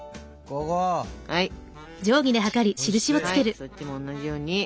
そっちも同じように。